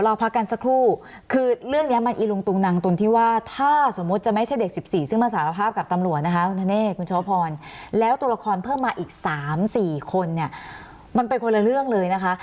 แล้วตัวละครเพิ่มมาอีก๓๔คนมันเป็นคนละเรื่องเลยนะคะ